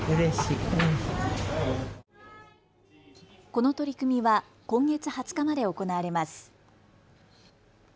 この取り組みは今月２０日まで行われます。